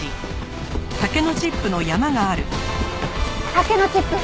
竹のチップ！